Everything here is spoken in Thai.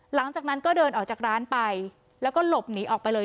หลังจากนั้นก็เดินออกจากร้านไปแล้วก็หลบหนีออกไปเลย